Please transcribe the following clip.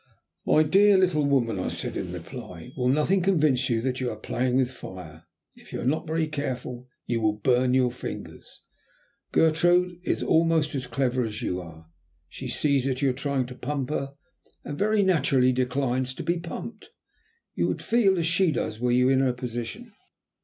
"My dear little woman," I said in reply, "will nothing convince you that you are playing with fire? If you are not very careful you will burn your fingers. Gertrude is almost as clever as you are. She sees that you are trying to pump her, and very naturally declines to be pumped. You would feel as she does were you in her position."